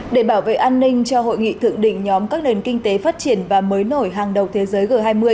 để bảo vệ an ninh cho hội nghị thượng đỉnh nhóm các nền kinh tế phát triển và mới nổi hàng đầu thế giới g hai mươi